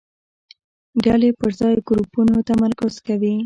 ډلې پر ځای ګروپونو تمرکز کوي.